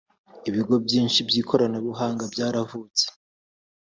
Ibigo byinshi by’ikoranabuhanga byaravutse